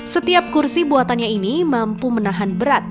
setiap kursi buatannya ini mampu menahan berat